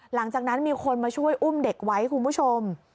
หลังจากนั้นมีคนมาช่วยอุ้มเด็กไว้คุณผู้ชม